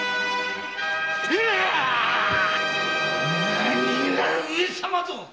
何が上様ぞ！